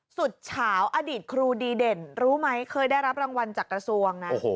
สุดชาวอดีชครุดีเด่นรู้ไหมเคยได้รางวัลจากกระทรวงนะ